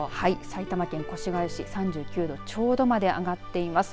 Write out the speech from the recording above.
埼玉県越谷市３９度ちょうどまで上がっています。